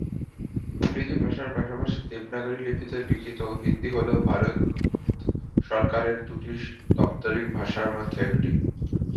ইংরেজি ভাষার পাশাপাশি দেবনাগরী লিপিতে লিখিত হিন্দি হল ভারত সরকারের দুটি দাপ্তরিক ভাষার মধ্যে একটি।